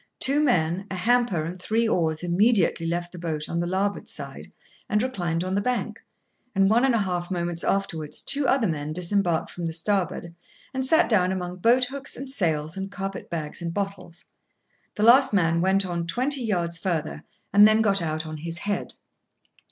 Two men, a hamper, and three oars immediately left the boat on the larboard side, and reclined on the bank, and one and a half moments afterwards, two other men disembarked from the starboard, and sat down among boat hooks and sails and carpet bags and bottles. The last man went on twenty yards further, and then got out on his head.